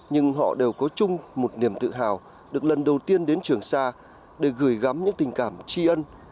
nhưng họ đều có chung một niềm tự hào được lần đầu tiên đến trường sa để gửi gắm những tình cảm tri ân